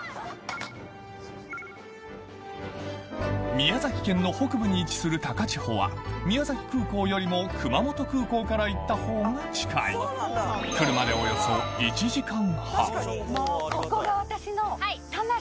宮崎県の北部に位置する高千穂は宮崎空港よりも熊本空港から行った方が近いおよそここが？